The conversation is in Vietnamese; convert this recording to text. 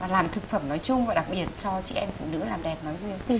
làm thực phẩm nói chung và đặc biệt cho chị em phụ nữ làm đẹp nói riêng